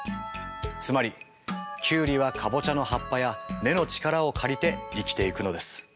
つまりキュウリはカボチャの葉っぱや根の力を借りて生きていくのです。